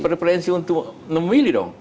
preferensi untuk memilih dong